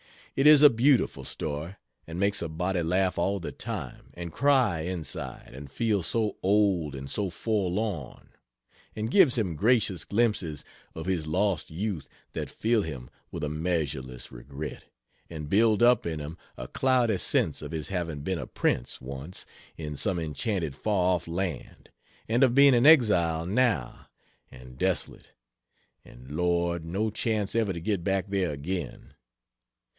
It is a beautiful story, and makes a body laugh all the time, and cry inside, and feel so old and so forlorn; and gives him gracious glimpses of his lost youth that fill him with a measureless regret, and build up in him a cloudy sense of his having been a prince, once, in some enchanted far off land, and of being an exile now, and desolate and Lord, no chance ever to get back there again!